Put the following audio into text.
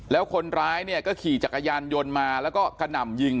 แล้วคนร้ายเนี่ยก็ขี่จักรยานยนต์มาแล้วก็กระหน่ำยิง